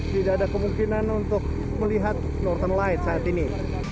tidak ada kemungkinan untuk melihat northern lights saat ini